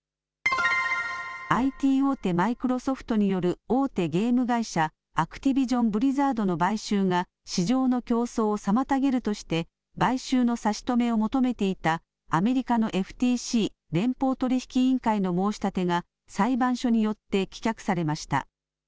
ＩＴ大手、マイクロソフトによる大手ゲーム会社、アクティビジョン・ブリザードの買収が市場の競争を妨げるとして買収の差し止めを求めていたアメリカのＦＴＣ・連邦取引委員会の申し立てが裁判所によって棄却されました。